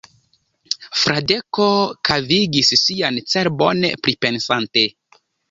Fradeko kavigis sian cerbon, pripensante.